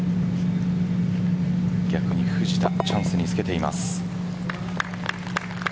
逆に藤田チャンスにつけています。